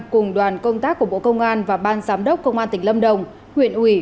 cùng đoàn công tác của bộ công an và ban giám đốc công an tỉnh lâm đồng huyện ủy